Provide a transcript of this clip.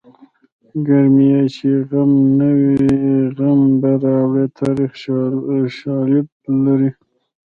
کرمیه چې غم نه وي غم به راوړې تاریخي شالید لري